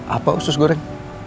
apa khusus goreng